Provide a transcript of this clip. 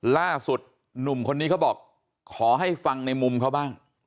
ล่าสุดหนุ่มคนนี้เขาบอกขอให้ฟังในมุมเขาบ้าง